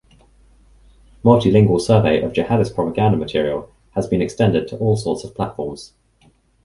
Multilingual survey of jihadist propaganda material has been extended to all sorts of platforms.